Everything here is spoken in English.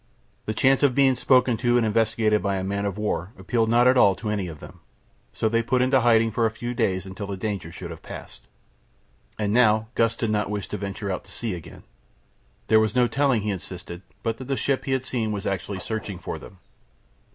The chance of being spoken to and investigated by a man of war appealed not at all to any of them, so they put into hiding for a few days until the danger should have passed. And now Gust did not wish to venture out to sea again. There was no telling, he insisted, but that the ship they had seen was actually searching for them.